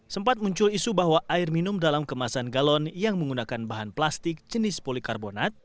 sempat muncul isu bahwa air minum dalam kemasan galon yang menggunakan bahan plastik jenis polikarbonat